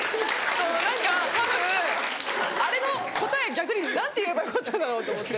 あれの答え逆に何て言えばよかったんだろうと思って。